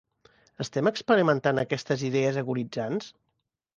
Estem experimentant aquestes idees agonitzants?